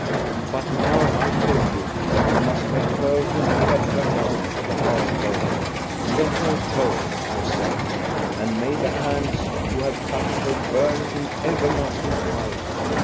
But now I tell you that you must let her whom you have dragged out of the house go. Let her go, I say; and may the hands who have touched her burn in everlasting fire